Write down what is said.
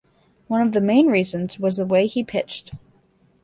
One of the main reasons was the way he pitched.